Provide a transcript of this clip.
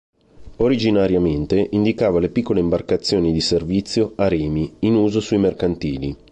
Originariamente indicava le piccole imbarcazioni di servizio, a remi, in uso sui mercantili.